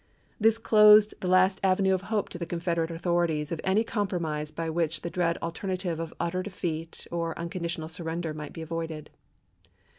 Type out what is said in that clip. This closed the last avenue of hope to the Confederate authorities of any compromise by which the dread alternative of utter defeat or un conditional surrender might be avoided.